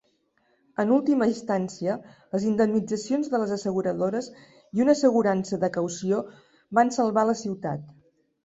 En última instància, les indemnitzacions de les asseguradores i una assegurança de caució van salvar la ciutat.